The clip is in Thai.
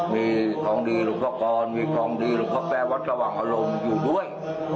มีทรงดีรู้ภาคอนมีทรงดีรู้ภาใกล้วาธวังอารมณ์อยู่ด้วย